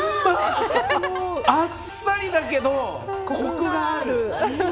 あっさりだけど、コクがある！